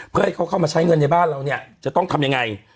เพื่อให้เขาเข้ามาใช้เงินในบ้านเราเนี่ยจะต้องทำยังไง